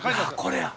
これや。